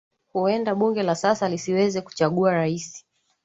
Huenda bunge la sasa lisiweze kuchaguwa rais